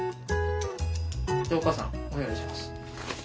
お母さんお願いします。